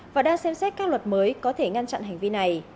và đang xem xét các luật mới có thể ngăn chặn hành vi này